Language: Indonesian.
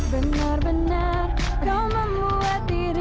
kalian bisa millionhi ajalah